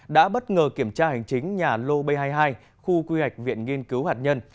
đã bất ngờ kiểm tra hành chính nhà lô b hai mươi hai khu quy hạch viện nghiên cứu hạt nhân